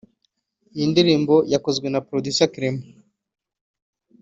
Iyi ndirimbo yakozwe na Producer Clement